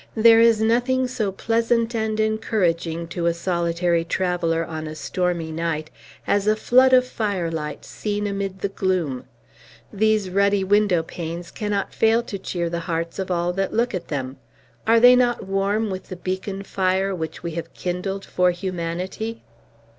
There is nothing so pleasant and encouraging to a solitary traveller, on a stormy night, as a flood of firelight seen amid the gloom. These ruddy window panes cannot fail to cheer the hearts of all that look at them. Are they not warm with the beacon fire which we have kindled for humanity?"